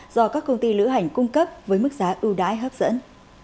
do các công ty lữ hành cung cấp với mức giá ưu đãi hấp dẫn